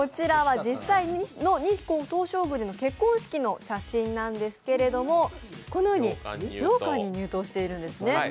実際の日光東照宮での結婚式の写真なんですけれども、このようにようかんに入刀しているんですね。